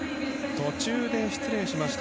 途中で、失礼しました。